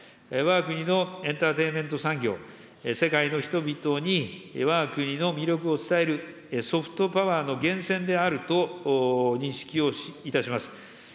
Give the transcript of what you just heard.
わが国のエンターテイメント産業、世界の人々にわが国の魅力を伝える、ソフトパワーの源泉であると認識をいたします。